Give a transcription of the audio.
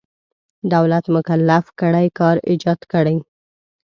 دولت مکلف کړی کار ایجاد کړي.